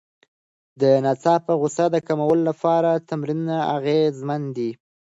د ناڅاپه غوسې د کمولو لپاره تمرینونه اغېزمن دي.